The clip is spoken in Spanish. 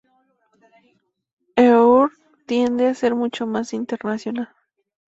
Eur tiende a ser mucho más internacional.